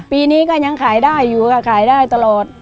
ปีนี้ก็ยังขายได้อยู่ค่ะขายได้ตลอด